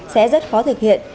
sẽ rất khó thực hiện